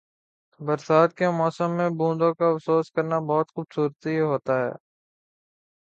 برسات کے موسم میں بوندوں کا افسوس کرنا بہت خوبصورتی ہوتا ہے۔